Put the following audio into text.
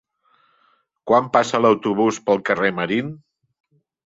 Quan passa l'autobús pel carrer Marín?